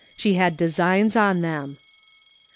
She had designs on thcui.